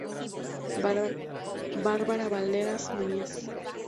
Bárbara Balderas Núñez.